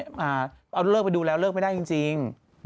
เอาเลิกไปดูแล้วเลิกไม่ได้จริง